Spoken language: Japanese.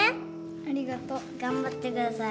ありがとう。頑張ってください。